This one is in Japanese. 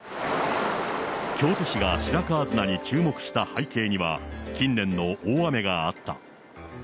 京都市が白川砂に注目した背景には、近年の大雨があった。